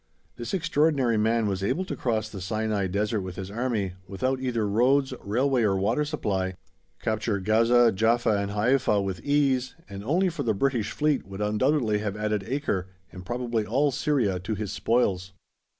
This extraordinary man was able to cross the Sinai desert with his army, without either roads, railway, or water supply, capture Gaza, Jaffa, and Haifa with ease, and only for the British Fleet would undoubtedly have added Acre, and probably all Syria, to his spoils.